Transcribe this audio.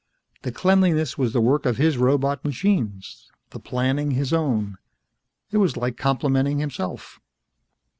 The cleanliness was the work of his robot machines, the planning his own. It was like complimenting himself.